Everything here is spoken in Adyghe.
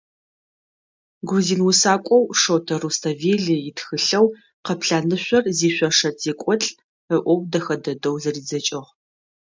Грузин усакӏоу Шота Руставели итхылъэу «Къэплъанышъор зишъошэ зекӏолӏ» ыӏоу дэхэ дэдэу зэридзэкӏыгъ.